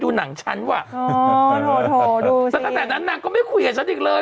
ดูหนังฉันว่ะอ๋อโถ่โถ่ดูสิแล้วตั้งแต่นั้นนางก็ไม่คุยกับฉันอีกเลย